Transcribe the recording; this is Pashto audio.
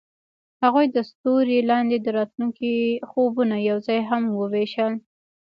هغوی د ستوري لاندې د راتلونکي خوبونه یوځای هم وویشل.